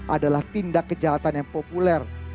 adalah tindak kejahatan yang populer